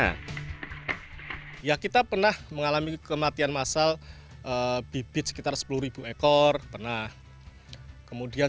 nah ya kita pernah mengalami kematian massal bibit sekitar sepuluh ekor pernah kemudian